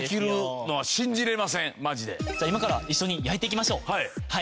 じゃあ今から一緒に焼いていきましょう。